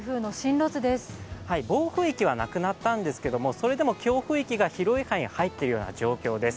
暴風域はなくなったんですけれどもそれでも強風域が広い範囲に入っているような状況です。